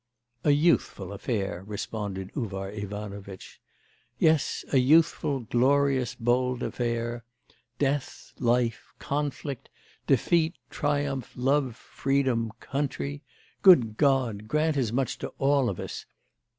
'A youthful affair,' responded Uvar Ivanovitch. 'Yes, a youthful, glorious, bold affair. Death, life, conflict, defeat, triumph, love, freedom, country.... Good God, grant as much to all of us!